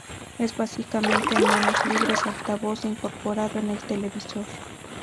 Es básicamente un manos libres altavoz incorporado en el televisor.